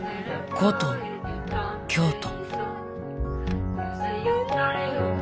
古都京都。